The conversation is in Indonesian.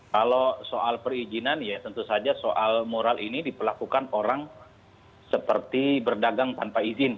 kalau soal perizinan ya tentu saja soal moral ini diperlakukan orang seperti berdagang tanpa izin